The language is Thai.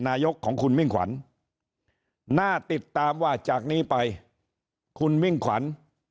นายกของคุณมิ่งขวัญน่าติดตามว่าจากนี้ไปคุณมิ่งขวัญ